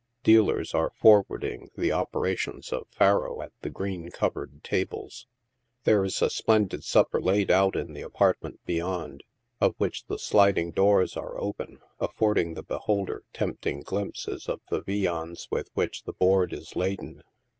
Dealers are forwarding the ope rations of "*Faro" at the green covered tables. There is a splendid supper laid out in the apartment beyond, of which the sliding doors are open, affording the beholder tempting glimpses of the viands with which the board is laden.